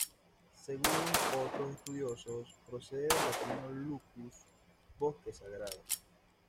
Según otros estudiosos, procede del latino "Lucus", 'bosque sagrado'.